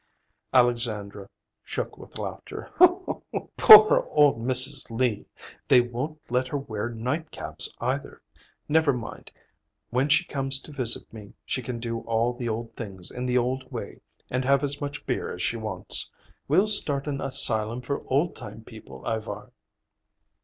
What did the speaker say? Alexandra shook with laughter. "Poor old Mrs. Lee! They won't let her wear nightcaps, either. Never mind; when she comes to visit me, she can do all the old things in the old way, and have as much beer as she wants. We'll start an asylum for old time people, Ivar."